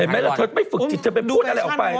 เห็นไหมถ้าเธอไม่ฝึกจิตจะไปพูดอะไรออกไป